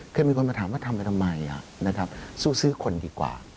เคยมีคนมาถามว่าทำไปทำไมสู้ซื้อคนดีกว่า